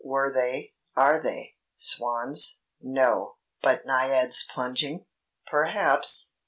Were they, are they, swans? No! But naiads plunging? Perhaps!